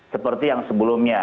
seperti yang sebelumnya